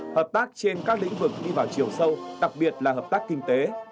hợp tác trên các lĩnh vực đi vào chiều sâu đặc biệt là hợp tác kinh tế